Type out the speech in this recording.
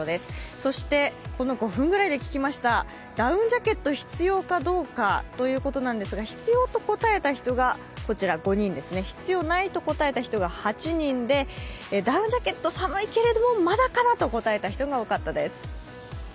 そしてこの５分ぐらいで聞きましたダウンジャケット必要かどうかということなんですが、必要と答えた人が５人、必要ないと答えた方が８人でダウンジャケット、寒いけれどもまだかなと答えた人が多かったです。